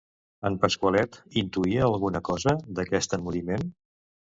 En Pasqualet intuïa alguna cosa, d'aquest emmudiment?